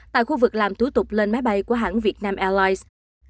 tại khu vực làm thủ tục lên máy bay của hãng vietnam airlines